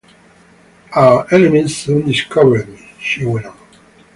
"Our enemies soon discovered me," she went on.